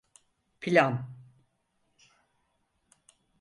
Plan?